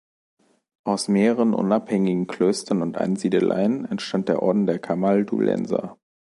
Aus mehreren unabhängigen Klöstern und Einsiedeleien entstand der Orden der Kamaldulenser.